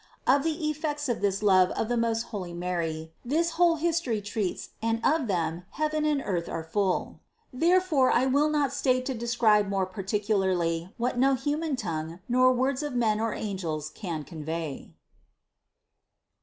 Of the effects of this love of the most holy Mary, this whole history treats and of them heaven and earth are full. Therefore I will not stay to describe more particularly what no human tongue, nor words of men or angels can convey.